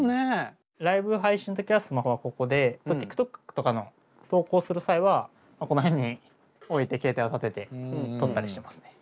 ライブ配信の時はスマホはここでＴｉｋＴｏｋとかの投稿する際はこの辺に置いて携帯を立てて撮ったりしてますね。